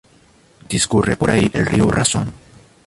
Discurre por ahí el río Razón.